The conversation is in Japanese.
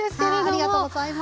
ありがとうございます。